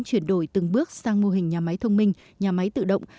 chuyển đổi từng bước sang mô hình nhà máy thông minh nhà máy tự động